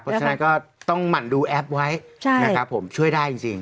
เพราะฉะนั้นก็ต้องหมั่นดูแอปไว้นะครับผมช่วยได้จริง